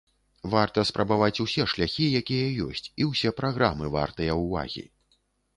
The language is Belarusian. Варта спрабаваць усе шляхі, якія ёсць, і ўсе праграмы вартыя ўвагі.